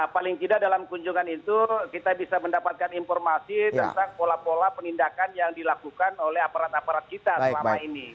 paling tidak dalam kunjungan itu kita bisa mendapatkan informasi tentang pola pola penindakan yang dilakukan oleh aparat aparat kita selama ini